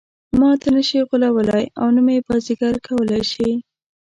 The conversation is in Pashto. ماته نه شي غولولای او نه مې بازيګر کولای شي.